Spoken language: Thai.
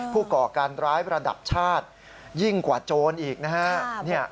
ก่อการร้ายระดับชาติยิ่งกว่าโจรอีกนะฮะ